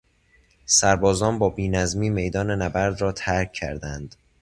سربازان با بینظمی میدان نبرد را ترک کردند.